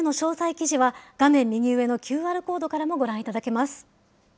記事は、画面右上のＱＲコードからもご覧いただけます。